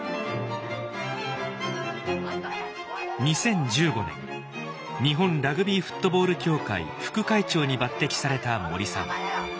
２０１５年日本ラグビーフットボール協会副会長に抜てきされた森さん。